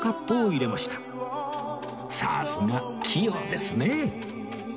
さすが器用ですね